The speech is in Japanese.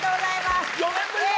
４年ぶりの。